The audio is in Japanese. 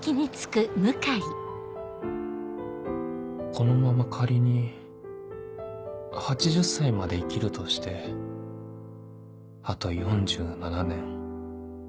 このまま仮に８０歳まで生きるとしてあと４７年